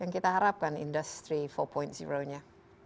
yang kita harapkan industri empat nya